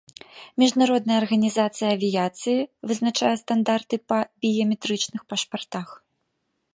Міжнародная арганізацыя авіяцыі вызначае стандарты па біяметрычных пашпартах.